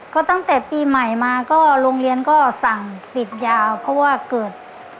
ก็ตั้งแต่ปีใหม่มาก็โรงเรียนก็สั่งปิดยาวเพราะว่าเกิด